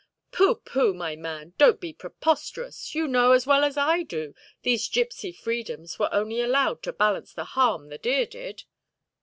"Pooh, pooh, my man, donʼt be preposterous: you know, as well as I do, these gipsy freedoms were only allowed to balance the harm the deer did".